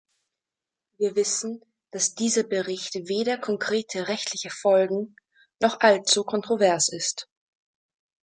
Wir wissen, dass dieser Bericht weder konkrete rechtliche Folgen, noch allzu kontrovers ist.